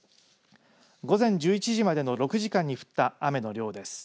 午前１１時までの６時間に降った雨の量です。